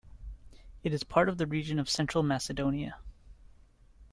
It is part of the Region of Central Macedonia.